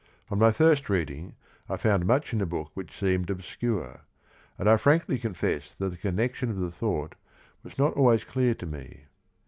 On my first reading, I found much in the book which seemed obscure, and I frankly confess that the connec tion of the thought was not always clear to me.